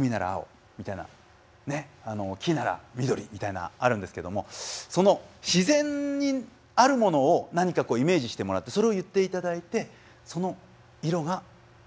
木なら緑みたいなあるんですけどもその自然にあるものを何かこうイメージしてもらってそれを言っていただいてその色がこの電球で光るというですね